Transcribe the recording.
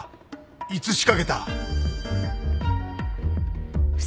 いつ仕掛けた！？